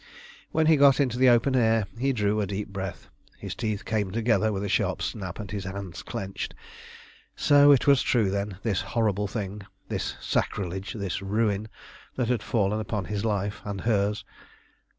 When he got into the open air he drew a deep breath. His teeth came together with a sharp snap, and his hands clenched. So it was true, then, this horrible thing, this sacrilege, this ruin, that had fallen upon his life and hers.